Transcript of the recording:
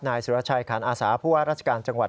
นายสุรชัยขันอาสาผู้ว่าราชการจังหวัด